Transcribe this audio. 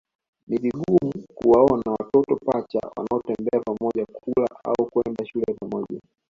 Ni vigumu ukawaona watoto pacha wanaotembea pamoja kula au kwenda shule pamoja